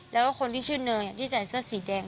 แล้วก็คนที่ชื่อเนยที่ใส่เสื้อสีแดง